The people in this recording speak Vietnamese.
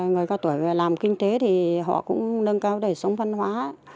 người cao tuổi làm kinh tế thì họ cũng nâng cao đời sống văn hóa